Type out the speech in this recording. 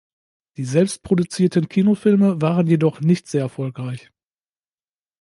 Die selbst produzierten Kinofilme waren jedoch nicht sehr erfolgreich.